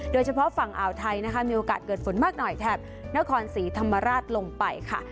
เฉพาะฝั่งอ่าวไทยนะคะมีโอกาสเกิดฝนมากหน่อยแถบนครศรีธรรมราชลงไปค่ะ